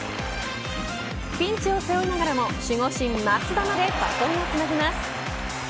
ピンチを背負いながらも守護神益田までバトンをつなぎます。